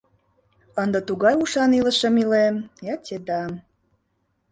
Ынде тугай ушан илышым илем — я те дам!..